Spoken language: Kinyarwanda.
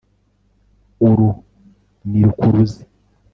Uru ni rukuruzi